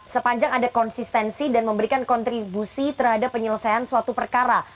sepanjang ada konsistensi dan memberikan kontribusi terhadap penyelesaian suatu perkara